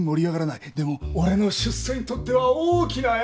でも俺の出世にとっては大きなヤマだ。